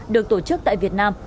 được tổ chức tại việt nam